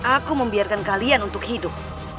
aku membiarkan kalian untuk hidup